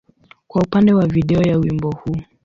kwa upande wa video ya wimbo huu.